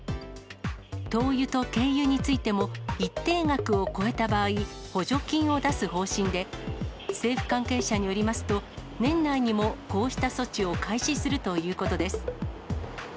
灯油と軽油についても、一定額を超えた場合、補助金を出す方針で、政府関係者によりますと、年内にもこうした措置を開始するということです。